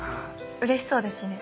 うれしそうですね。